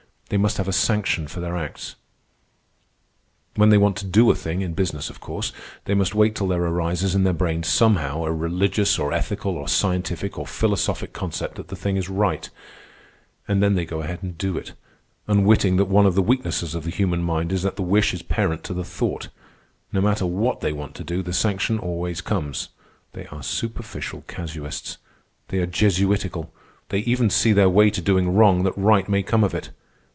They must have a sanction for their acts. Verbal contradictions, called bulls, were long an amiable weakness of the ancient Irish. "When they want to do a thing, in business of course, they must wait till there arises in their brains, somehow, a religious, or ethical, or scientific, or philosophic, concept that the thing is right. And then they go ahead and do it, unwitting that one of the weaknesses of the human mind is that the wish is parent to the thought. No matter what they want to do, the sanction always comes. They are superficial casuists. They are Jesuitical. They even see their way to doing wrong that right may come of it.